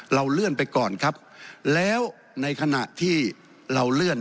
เราเลื่อนไปก่อนครับแล้วในขณะที่เราเลื่อน